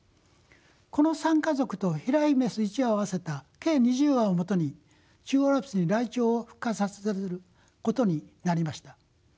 この３家族と飛来雌１羽を合わせた計２０羽をもとに中央アルプスにライチョウを復活させることになりました。